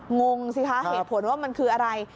งงสิคะเหตุผลว่ามันคืออะไร